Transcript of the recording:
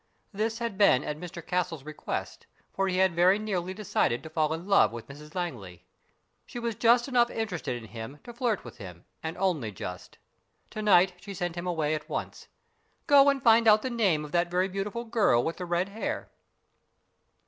This had been at Mr Castle's request, for he had very nearly decided to fall in love with Mrs Langley. She was just enough interested in him to flirt with him, and only just. To night she sent him away at once. " Go and find out the name of that very beautiful girl with the red hair."